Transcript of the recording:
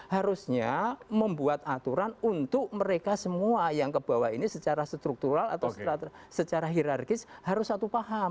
harusnya membuat aturan untuk mereka semua yang ke bawah ini secara struktural atau secara hirarkis harus satu paham